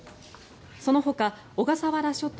そのほか小笠原諸島